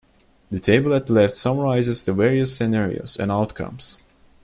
The table at left summarises the various scenarios and outcomes.